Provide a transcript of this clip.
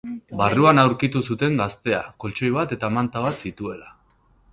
Barruan aurkitu zuten gaztea, koltxoi bat eta manta bat zituela.